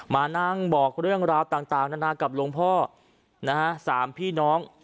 มานั่งบอกเรื่องราวต่างนานากับหลวงพ่อนะฮะสามพี่น้อง